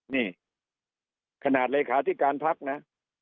นี่ขนาดเลขาธิการพักนะ